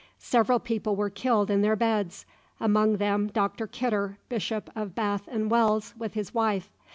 Several people were killed in their beds, among them Dr Kidder, Bishop of Bath and Wells, with his wife.